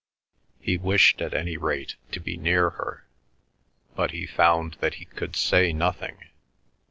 He wished, at any rate, to be near her, but he found that he could say nothing.